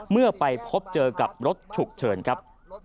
เมื่อไปพบเจอกับรถฉุกเฉินครับ